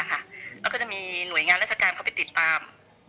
แล้วก็จะมีหน่วยงานราชการเข้าไปติดตาม